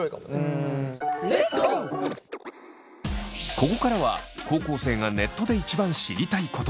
ここからは高校生がネットで一番知りたいこと。